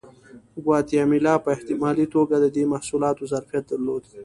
ګواتیمالا په احتمالي توګه د دې محصولاتو ظرفیت درلود.